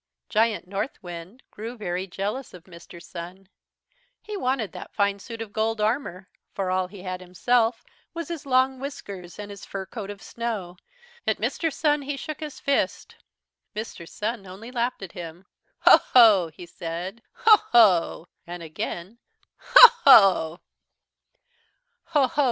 "Giant Northwind grew very jealous of Mr. Sun. He wanted that fine suit of gold armour, for all he had himself was his long whiskers and his fur coat of snow. "At Mr. Sun he shook his fist. "Mr. Sun only laughed at him. "'Ho, ho!' he said, 'Ho, ho!' and again 'Ho, ho!' "'Ho, ho!